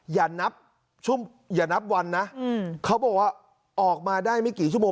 อย่านับอย่านับวันนะเขาบอกว่าออกมาได้ไม่กี่ชั่วโมง